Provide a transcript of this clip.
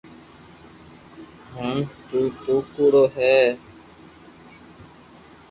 ھين تو تو ڪوڙو ھي